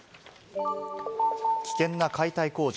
危険な解体工事。